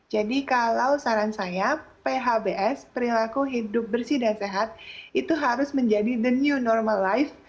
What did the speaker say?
jadi kalau saran saya phbs perilaku hidup bersih dan sehat itu harus menjadi the new normal life